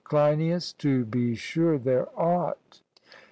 CLEINIAS: To be sure there ought.